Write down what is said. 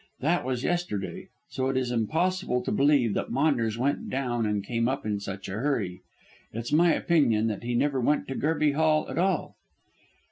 That was yesterday, so it is impossible to believe that Maunders went down and came up in such a hurry. It's my opinion that he never went to Gerby Hall at all."